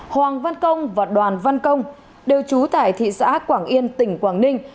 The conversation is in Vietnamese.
hoàng văn công và đoàn văn công đều trú tại thị xã quảng yên tỉnh quảng ninh